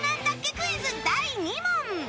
クイズ第２問。